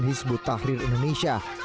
hizbut tahrir indonesia